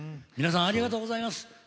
皆さん、ありがとうざいます！